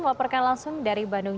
waparkan langsung dari bandung